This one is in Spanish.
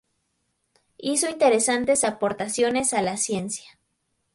Hizo interesantes aportaciones a la ciencia.